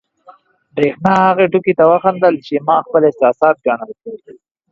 برېښنا هغې ټوکې ته وخندل، چې ما خپل احساسات ګڼل.